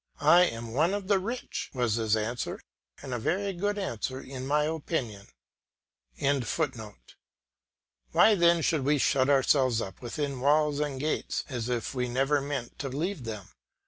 "I am one of the rich," was his answer; and a very good answer in my opinion.] Why then should we shut ourselves up within walls and gates as if we never meant to leave them?